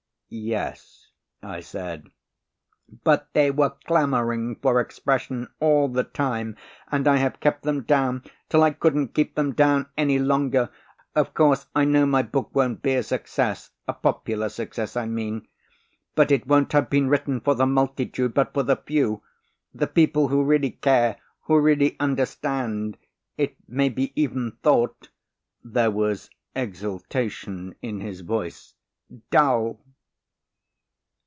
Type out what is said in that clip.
"Yes," I said. "But they were clamouring for expression all the time. And I have kept them down till I couldn't keep them down any longer. Of course, I know my book won't be a success a popular success, I mean but it won't have been written for the multitude but for the few the people who really care, who really understand. It may be even thought," there was exultation in his voice, "dull."